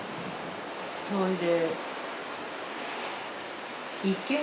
それで。